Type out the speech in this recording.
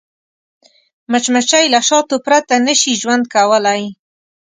مچمچۍ له شاتو پرته نه شي ژوند کولی